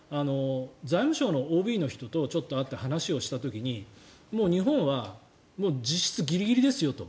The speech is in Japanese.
財務省のＯＢの人と会って話をした時に日本は実質ギリギリですよと。